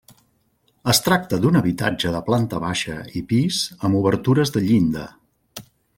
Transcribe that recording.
Es tracta d'un habitatge de planta baixa i pis amb obertures de llinda.